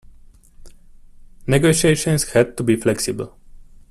Negotiations had to be flexible.